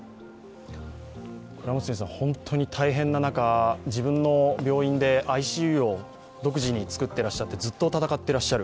本当に大変な中、自分の病院でＩＣＵを独自に作ってらっしゃってずっと戦っていらっしゃる。